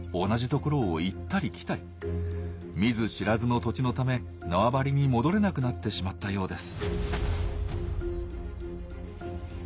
見ず知らずの土地のため縄張りに戻れなくなってしまったようです。